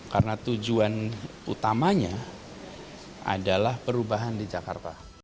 karena tujuan utamanya adalah perubahan di jakarta